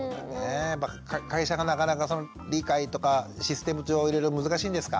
会社がなかなか理解とかシステム上いろいろ難しいんですか？